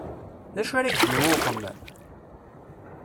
D acu ara k-d-yawi uxemmem?